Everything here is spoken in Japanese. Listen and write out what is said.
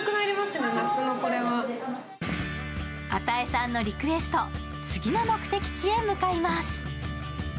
與さんのリクエスト、次の目的地へ向かいます。